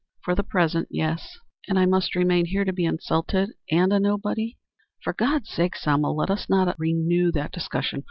"For the present, yes." "And I must remain here to be insulted and a nobody." "For God's sake, Selma, let us not renew that discussion.